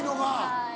はい。